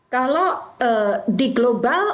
kalau di global